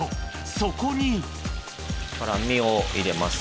そこに身を入れます。